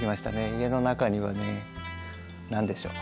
家の中にはね何でしょう？